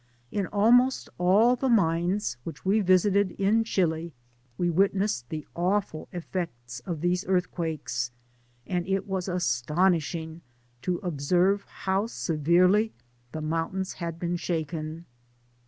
In almost all the mines which we visited in Chili we witnessed the awful effects of these earthquakes, and it was astonishing to observe how severely the mountains had been shaken.